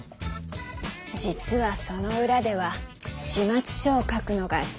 実はその裏では始末書を書くのが日常